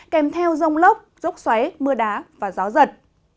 kèm theo rông lốc rốc xoáy mưa đá và gió giật